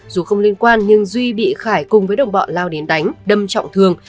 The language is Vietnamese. dù không liên quan nhưng duy bị khải cùng với đồng bọn lao đến đánh đâm trọng thương